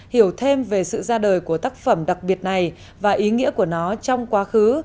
hiểu thêm về sự ra đời của tác phẩm đặc biệt này và ý nghĩa của nó trong quá khứ